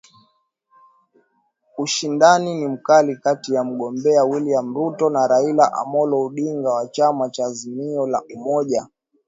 ushindani ni mkali kati ya mgombea William Ruto na Raila Amollo Odinga wa chama cha Azimio la Umoja